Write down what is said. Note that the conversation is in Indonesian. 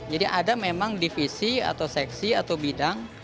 jadi ada memang divisi atau seksi atau bidang